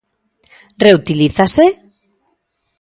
Reutilízase?